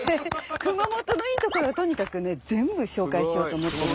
熊本のいいところはとにかくね全部紹介しようと思ってるんで。